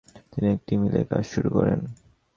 তিনি একটি মিলে কাজ শুরু করেন।